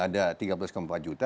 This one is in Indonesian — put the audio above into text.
kalau mungkin oke